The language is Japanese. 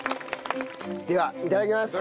ではいただきます。